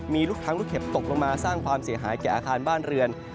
มีลูกค้างลูกเห็บตกลงมาสร้างความเสียหายแก่อาคารบ้านเรือน